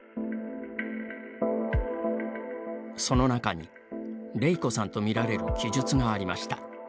その中に、れいこさんとみられる記述がありました。